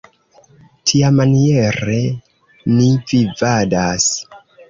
Tiamaniere ni vivadas.